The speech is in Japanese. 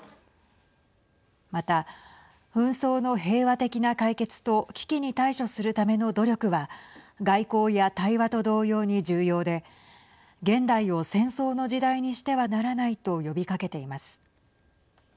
また、紛争の平和的な解決と危機に対処するための努力は外交や対話と同様に重要で現代を戦争の時代にしてはならないと呼びかけています。